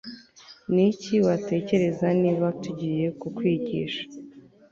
niki watekereza niba tugiye kukwigisha